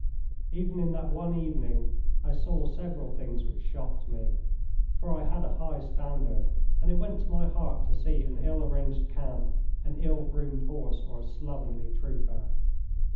Even in that one evening I saw several things which shocked me, for I had a high standard, and it went to my heart to see an ill arranged camp, an ill groomed horse, or a slovenly trooper.